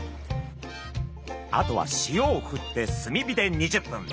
あとは塩をふって炭火で２０分。